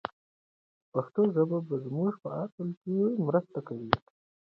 پښتو ژبه به زموږ په اصلاح کې مرسته وکړي.